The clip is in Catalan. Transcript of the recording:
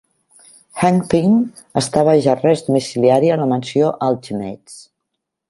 Hank Pym està baix arrest domiciliari en la Mansió Ultimates.